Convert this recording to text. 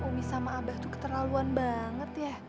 umi sama abah tuh keterlaluan banget ya